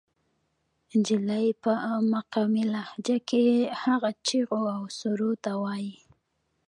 جلۍ پۀ مقامي لهجه کښې هغه چغو او سُورو ته وائي